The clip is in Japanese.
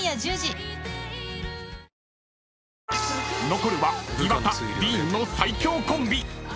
［残るは岩田ディーンの最強コンビ］